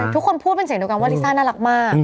ใช่ทุกคนพูดเป็นเสียงโตกรรมว่าลิซ่าน่ารักมาก